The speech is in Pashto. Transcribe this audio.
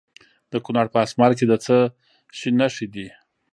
د کونړ په اسمار کې د څه شي نښې دي؟